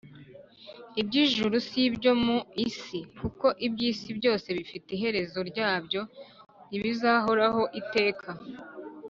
iby’ijuru si ibyo mu isi kuko ibyisi byose bifite iherezo ryabyo ntibizahoraho iteka.